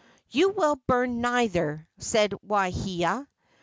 "You will burn neither," said Waahia.